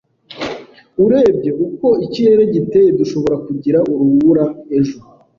Urebye uko ikirere giteye, dushobora kugira urubura ejo.